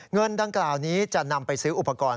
เงินดังกล่าวนี้จะนำไปซื้ออุปกรณ์